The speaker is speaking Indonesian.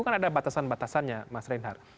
kan ada batasan batasannya mas reinhardt